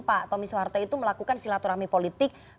pak tommy soeharto itu melakukan silaturahmi politik